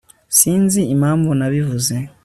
sinzi impamvu nabivuze